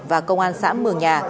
và công an xã mường nhà